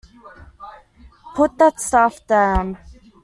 Put that stuff down.